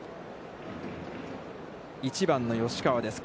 １番の吉川です。